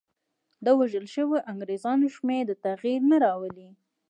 د وژل شویو انګرېزانو شمېر تغییر نه راولي.